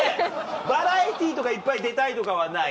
バラエティーとかいっぱい出たいとかはない？